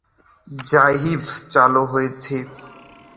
জাইভ চালু হয়েছে।